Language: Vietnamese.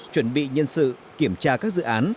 chuẩn bị nhân sự kiểm tra các dự án